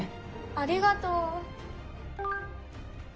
ありがとう。